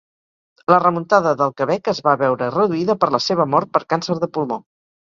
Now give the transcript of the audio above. La remuntada del Quebec es va veure reduïda per la seva mort per càncer de pulmó.